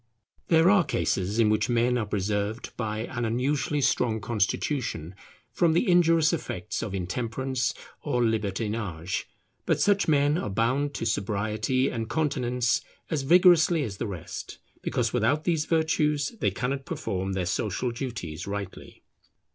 There are cases in which men are preserved by an unusually strong constitution from the injurious effects of intemperance or libertinage; but such men are bound to sobriety and continence as vigorously as the rest, because without these virtues they cannot perform their social duties rightly.